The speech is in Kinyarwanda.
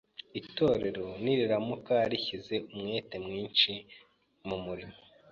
Itorero niriramuka rishyize umwete mwinshi mu murimo